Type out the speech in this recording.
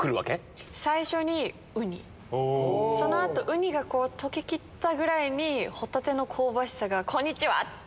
ウニが溶けきったぐらいにホタテの香ばしさがこんにちは！